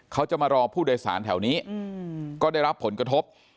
เขาจะมารอผู้โดยสารแถวนี้ก็ได้รับผลกระทบ